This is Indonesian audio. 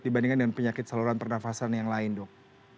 dibandingkan dengan penyakit saluran pernafasan yang lain dok